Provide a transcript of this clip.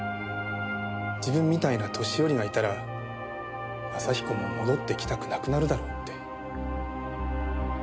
自分みたいな年寄りがいたら真彦も戻って来たくなくなるだろうって。